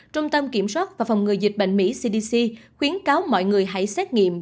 trung tâm kiểm soát và phòng ngừa dịch bệnh mỹ cdc khuyến cáo mọi người hãy xét nghiệm